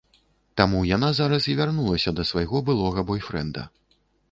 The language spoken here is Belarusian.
Таму яна зараз і вярнулася да свайго былога бойфрэнда.